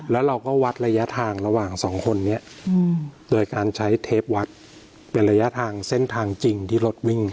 แล้วเราก็วัดระยะทางระหว่างสองคนนี้โดยการใช้เทปวัดเป็นระยะทางเส้นทางจริงที่รถวิ่ง